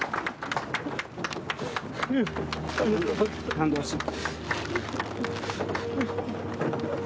感動した。